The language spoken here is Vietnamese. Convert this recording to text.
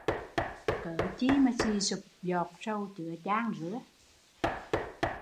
Cớ chi sì sụp giọt sầu chứa chan